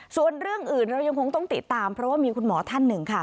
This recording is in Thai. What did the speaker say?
ส่วนเรื่องอื่นเรายังคงต้องติดตามเพราะว่ามีคุณหมอท่านหนึ่งค่ะ